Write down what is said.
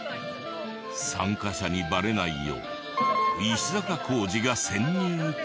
参加者にバレないよう石坂浩二が潜入調査。